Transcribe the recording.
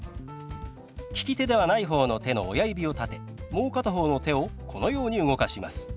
利き手ではない方の手の親指を立てもう片方の手をこのように動かします。